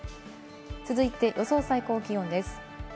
続いて予想最高気温です。